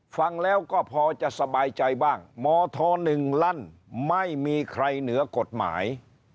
ฟังแล้วก็พอจะสบายใจบ้างมธ๑ลั่นไม่มีใครเหนือกฎหมาย